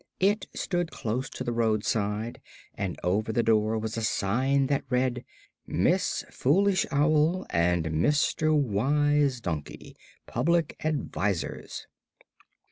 It stood close to the roadside and over the door was a sign that read: "Miss Foolish Owl and Mr. Wise Donkey: Public Advisers."